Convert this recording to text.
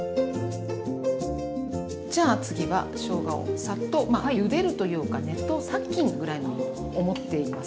じゃあ次はしょうがをサッとまあゆでるというか熱湯殺菌ぐらいに思っています。